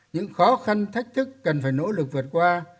những khó khăn thách thức cần phải nỗ lực vượt qua